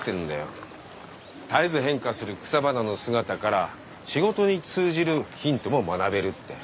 絶えず変化する草花の姿から仕事に通じるヒントも学べるって。